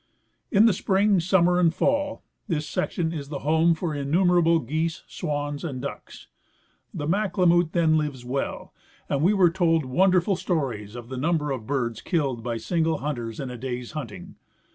^ In spring, summer and fall this section is the home for in numerable geese, swans and ducks. The Maklemut then lives well, and we Avere told wonderful stories of the number of birds killed by single hunters in a day's hunting.